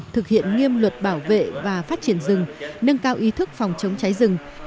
thực hiện nghiêm luật bảo vệ và phát triển rừng nâng cao ý thức phòng chống cháy rừng